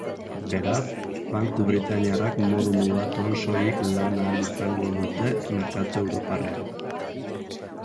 Beraz, banku britainiarrak modu mugatuan soilik lan ahal izango dute merkatu europarrean.